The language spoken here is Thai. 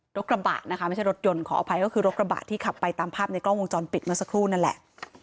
กระบะนะคะไม่ใช่รถยนต์ขออภัยก็คือรถกระบะที่ขับไปตามภาพในกล้องวงจรปิดเมื่อสักครู่นั่นแหละ